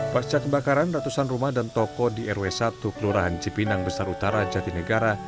pasca kebakaran ratusan rumah dan toko di rw satu kelurahan cipinang besar utara jatinegara